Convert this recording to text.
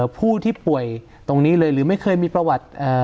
ผู้ที่ป่วยตรงนี้เลยหรือไม่เคยมีประวัติ